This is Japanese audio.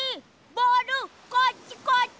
ボールこっちこっち！